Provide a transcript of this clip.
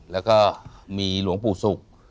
แล้วก็มีหลวงปู่ศุกร์